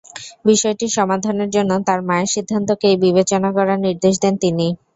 বিষয়টি সমাধানের জন্য তার মায়ের সিদ্ধান্তকেই বিবেচনা করার নির্দেশ দেন তিনি।